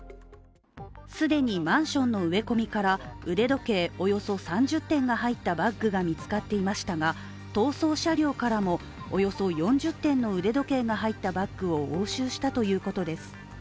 既にマンションの植え込みから腕時計およそ３０点が入ったバッグが見つかっていましたが逃走車両からも、およそ４０点の腕時計が入ったバッグを押収したということです。